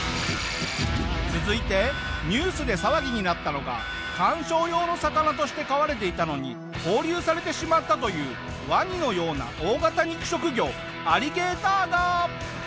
続いてニュースで騒ぎになったのが観賞用の魚として飼われていたのに放流されてしまったというワニのような大型肉食魚アリゲーターガー！